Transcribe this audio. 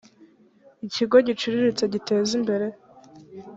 ikigo giciriritse giteza imbere